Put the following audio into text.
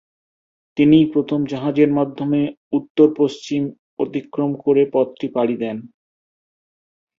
তিনিই প্রথম জাহাজের মাধ্যমে উত্তর-পশ্চিম অতিক্রম পথটি পাড়ি দেন।